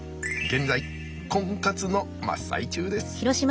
現在コンカツの真っ最中です。